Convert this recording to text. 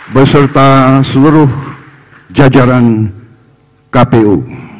beserta seluruh jajaran kpu